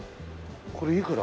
これいくら？